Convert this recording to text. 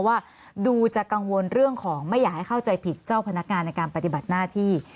ว่าดูจะกังวลเรื่องของไม่อยากให้เข้าใจผิดเจ้าพนักงานในการปฏิบัติหน้าที่